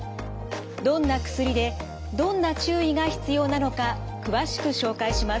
どんな薬でどんな注意が必要なのか詳しく紹介します。